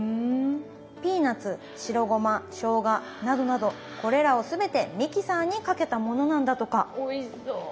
ピーナツ白ごましょうがなどなどこれらを全てミキサーにかけたものなんだとかおいしそう。